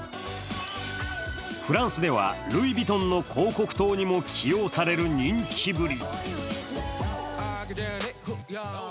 フランスではルイ・ヴィトンの広告塔にも起用される人気ぶり。